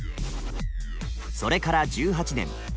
それから１８年。